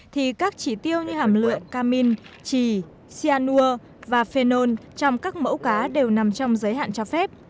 thì các trí tiêu như hàm lượng camin trì cyanur và phenol trong các mẫu cá đều nằm trong giới hạn cho phép